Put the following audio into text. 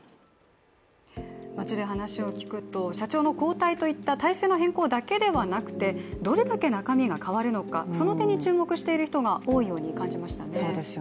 街で話を聞くと社長の交代といった体制の変更だけではなくてどれだけ中身が変わるのか、その点に注目している人が多いように感じましたね。